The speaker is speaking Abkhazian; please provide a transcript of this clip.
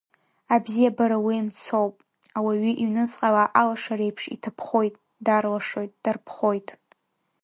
Абзиабара уи мцоуп, ауаҩы иҩныҵҟала алашареиԥш иҭаԥхоит, дарлашоит, дарԥхоит.